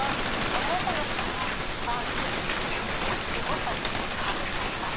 「あなたのファンはフランスいやヨーロッパにたくさんいます」